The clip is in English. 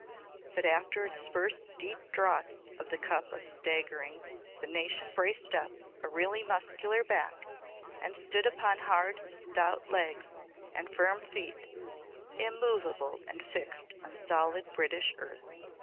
But after its first deep draughts of the cup of staggering the nation braced up a really muscular back and stood upon hard, stout legs and firm feet, immovable and fixed on solid British earth.